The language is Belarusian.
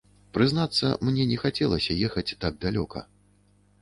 Прызнацца мне не хацелася ехаць так далёка.